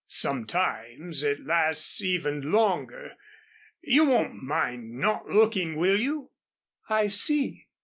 Sometimes it lasts even longer. You won't mind not looking, will you?" "I see.